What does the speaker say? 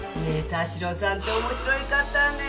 田代さんって面白い方ね。